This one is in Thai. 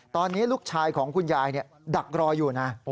ตอนนี้ลูกชายของคุณยายดักรออยู่นะ